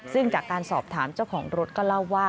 ซึ่งจากการสอบถามเจ้าของรถก็เล่าว่า